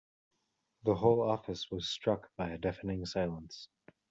The whole office was struck by a deafening silence.